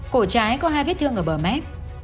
cổ trái có hai vết thương ở bờ mép